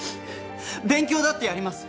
勉強だってやります！